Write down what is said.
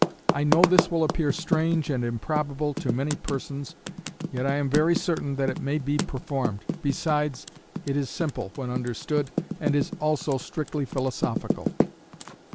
I know this will appear strange and improbable to many persons, yet I am very certain it may be performed, besides, it is simple (when understood) and is also strictly philosophical.